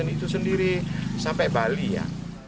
itu sendiri sampai bali ya